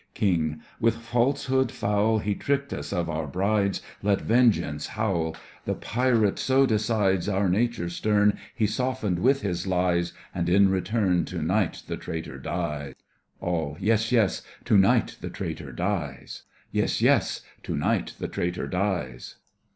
KING: With falsehood foul He tricked us of our brides. Let vengeance howl; The Pirate so decides. Our nature stern He softened with his lies, And, in return, To night the traitor dies. ALL: Yes, yes! to night the traitor dies! Yes, yes! to night the traitor dies!